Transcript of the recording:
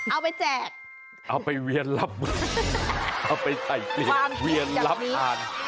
เอาไปแจกเอาไปเวียนลับเอาไปใส่เวียนลับอ่าน